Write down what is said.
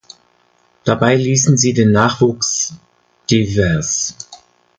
Dabei ließen sie den Nachwuchs div.